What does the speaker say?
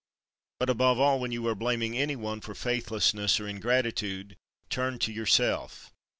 But above all, when you are blaming any one for faithlessness or ingratitude, turn to yourself.